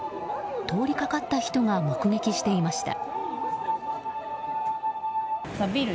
通りかかった人が目撃していました。